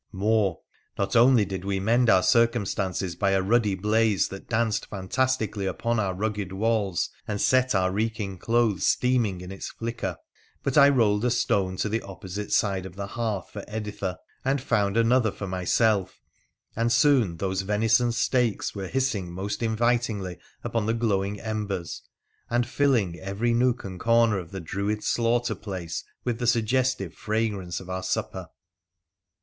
More ; not only did we mend our circumstances by a ruddy blaze that danced fantastically upon our rugged walls and set our reeking clothes steaming in its flicker, but I rolled a stone to the opposite side of the hearth for Editha, and found another for myself, and soon those venison steaks were hissing most invitingly upon the glowing embers, and filling every nook and corner of the Druid slaughter place with the sugges tive fragrance of our supper.